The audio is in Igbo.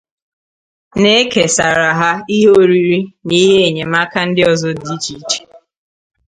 na-ekesara ha ihe oriri na ihe enyemaka ndị ọzọ dị icheiche.